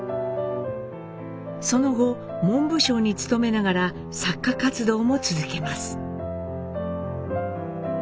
その後文部省に勤めながら作家活動も続けます。